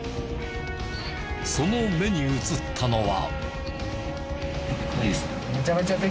その目に映ったのは。